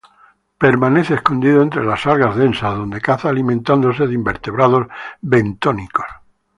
Permanece escondido entre las algas densas, donde caza alimentándose de invertebrados bentónicos.